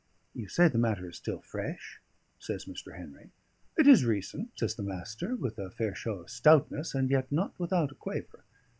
"You say the matter is still fresh?" says Mr. Henry. "It is recent," says the Master, with a fair show of stoutness, and yet not without a quaver.